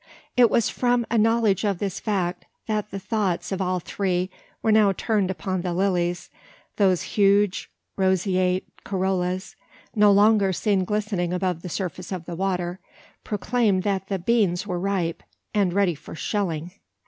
It was from a knowledge of this fact that the thoughts of all three were now turned upon the lilies whose huge roseate corollas, no longer seen glistening above the surface of the water, proclaimed that the "beans" were ripe, and ready for "shelling."